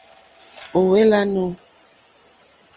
Ò hwé !lánù.